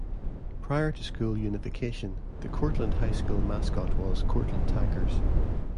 Prior to school unification, the Courtland High School mascot was Courtland Tigers.